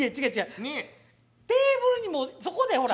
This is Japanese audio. テーブルにもうそこでほら。